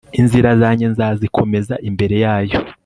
inzira zanjye nzazikomeza imbere yayo